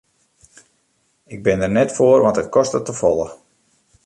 Ik bin der net foar want it kostet te folle.